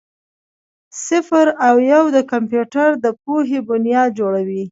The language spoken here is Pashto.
صفر او یو د کمپیوټر د پوهې بنیاد جوړوي.